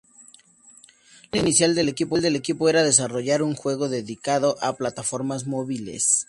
La intención inicial del equipo era desarrollar un juego dedicado a plataformas móviles.